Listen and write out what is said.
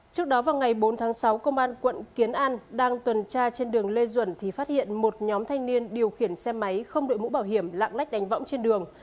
trước đó vào ngày bốn tháng sáu công an quận kiến an đang tuần tra trên đường lê duẩn thì phát hiện một nhóm thanh niên điều khiển xe máy không đội mũ bảo hiểm lạng lách đánh võng trên đường